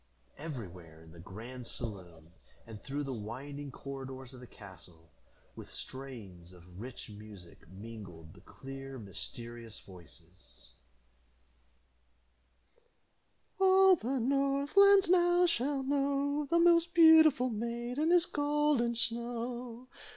Everywhere in the grand saloon, and through the winding corridors of the castle, with strains of rich music mingled the clear mysterious voices: "All the north land now shall know, The most beautiful maiden is Golden Snow.